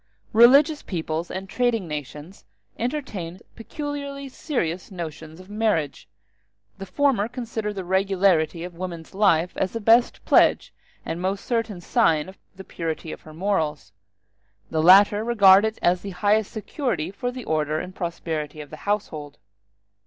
Religious peoples and trading nations entertain peculiarly serious notions of marriage: the former consider the regularity of woman's life as the best pledge and most certain sign of the purity of her morals; the latter regard it as the highest security for the order and prosperity of the household.